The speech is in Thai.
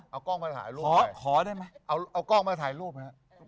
เอากล้องมาถ่ายรูปขอได้ไหมเอากล้องมาถ่ายรูปไหมฮะ